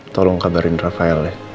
tolong kabarin rafael deh